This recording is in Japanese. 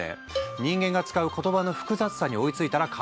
人間が使う言葉の複雑さに追いついたら完成！ってことみたい。